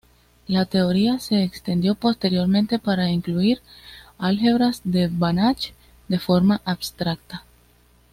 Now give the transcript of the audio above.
La teoría se extendió posteriormente para incluir álgebras de Banach de forma abstracta.